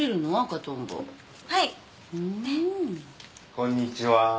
こんにちは。